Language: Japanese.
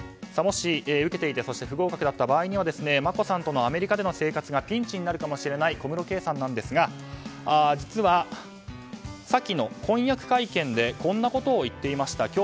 もし、受けていてそして不合格だった場合には眞子さんとのアメリカでの生活がピンチになるかもしれない小室圭さんですが実は先の婚約会見でこんなことを言っていました。